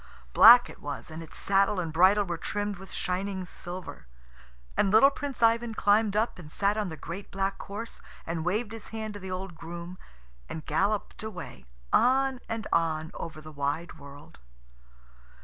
Black it was, and its saddle and bridle were trimmed with shining silver. And little Prince Ivan climbed up and sat on the great black horse, and waved his hand to the old groom, and galloped away, on and on over the wide world.